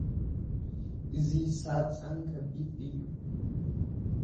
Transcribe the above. እዚ ሳጹን ከቢድ እዩ።